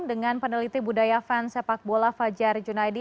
dengan peneliti budaya fans sepak bola fajar junaidi